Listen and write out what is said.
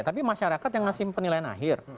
tapi masyarakat yang ngasih penilaian akhir